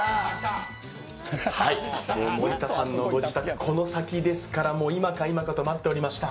森田さんのご自宅、この先ですから今か今かと待っておりました。